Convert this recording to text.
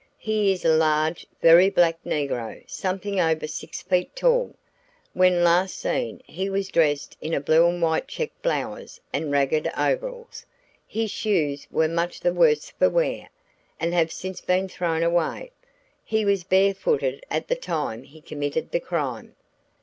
He is a large, very black negro something over six feet tall. When last seen, he was dressed in a blue and white checked blouse and ragged overalls. His shoes were much the worse for wear, and have since been thrown away. He was bare footed at the time he committed the crime.